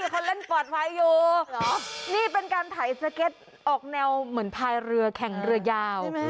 คนเล่นปลอดภัยอยู่นี่เป็นการถ่ายสเก็ตออกแนวเหมือนพายเรือแข่งเรือยาว